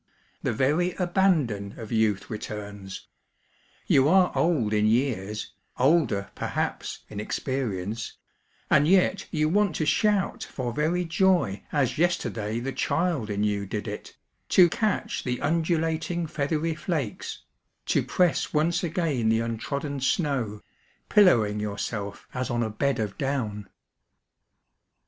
The very abandon of youth returns ; you are old in years, older, perhaps, in experience, imd yet you wimt to shout for very joy as yesterday the child in you did it, to catch the undulating feathery flakes, to press once again the untrodden snow, pillowing yourself as on a bed of down.